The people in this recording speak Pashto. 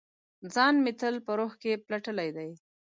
ځان مې تل په روح کې پلټلي دی